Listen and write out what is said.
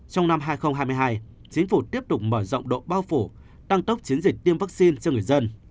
trong năm hai nghìn hai mươi hai chính phủ tiếp tục mở rộng độ bao phủ tăng tốc chiến dịch tiêm vaccine cho người dân